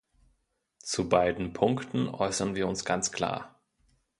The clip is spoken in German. Zu beiden Punkten äußern wir uns ganz klar.